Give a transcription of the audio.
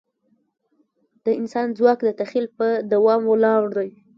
د انسان ځواک د تخیل په دوام ولاړ دی.